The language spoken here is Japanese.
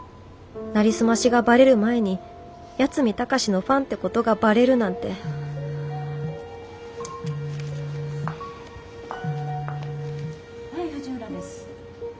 なりすましがバレる前に八海崇のファンってことがバレるなんてはい藤浦です。